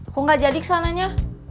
kok gak jadi kesananya